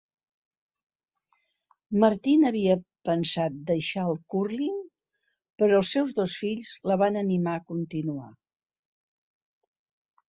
Martin havia pensat deixar el cúrling, però els seus dos fills la van animar a continuar.